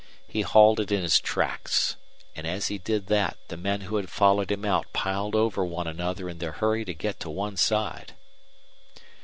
He halted in his tracks, and as he did that the men who had followed him out piled over one another in their hurry to get to one side.